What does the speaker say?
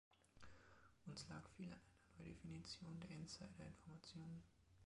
Uns lag viel an einer Neudefinition der Insiderinformationen.